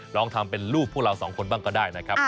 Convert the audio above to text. ลองทำเป็นรูปพวกเราสองคนบ้างก็ได้นะครับ